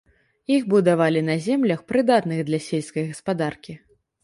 Іх будавалі на землях, прыдатных для сельскай гаспадаркі.